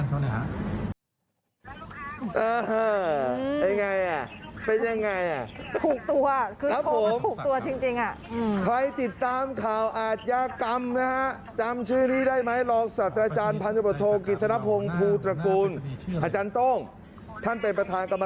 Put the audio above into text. ไม่มีอาชีพอื่นที่ดีกว่านี้แล้วหรือครับที่จะต้องมาทำงานพรุ่งนี้นะครับ